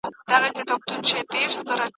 دا منابع بايد په يوه منظم سيستم کي راوستل سي.